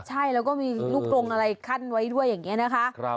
ใช่แล้วก็มีลูกกรงอะไรขั้นไว้ด้วยอย่างนี้นะคะ